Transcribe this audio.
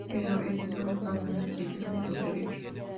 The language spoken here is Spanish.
Pero Edison no tardó en adquirir los derechos.